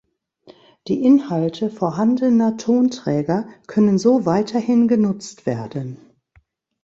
Die Inhalte vorhandener Tonträger können so weiterhin genutzt werden.